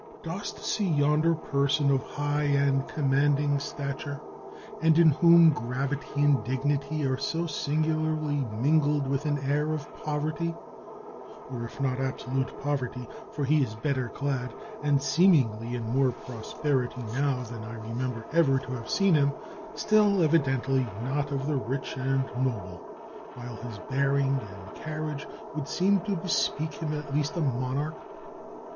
"Dost see yonder person of high and commanding stature, and in whom gravity and dignity are so singu larly mingled with an air of poverty; or, if not abso lutely of poverty — for he is better clad, and, seemingly, in more prosperity now than I remember ever to have seen him — still, evidently not of the rich and noble; while his bearing and carriage would seem to bespeak him at least a monarch?"